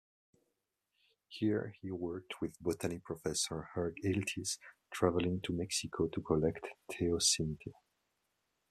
Here he worked with botany professor Hugh Iltis, travelling to Mexico to collect teosinte.